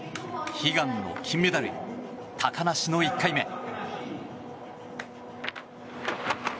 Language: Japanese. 悲願の金メダル、高梨の１回目。